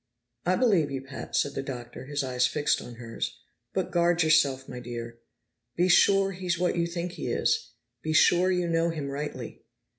"I believe you, Pat," said the Doctor, his eyes fixed on hers. "But guard yourself, my dear. Be sure he's what you think he is; be sure you know him rightly."